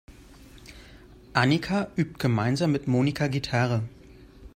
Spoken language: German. Annika übt gemeinsam mit Monika Gitarre.